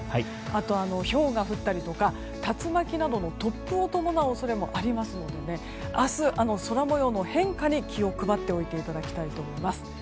あと、ひょうが降ったりとか竜巻などの突風を伴う恐れもありますので明日、空模様の変化に気を配っておいていただきたいと思います。